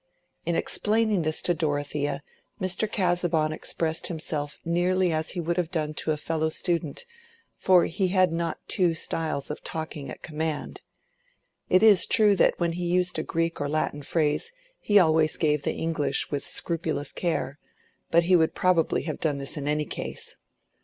In explaining this to Dorothea, Mr. Casaubon expressed himself nearly as he would have done to a fellow student, for he had not two styles of talking at command: it is true that when he used a Greek or Latin phrase he always gave the English with scrupulous care, but he would probably have done this in any case.